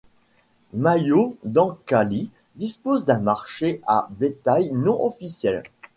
Mayo Dankali dispose d'un marché à bétail non officiel.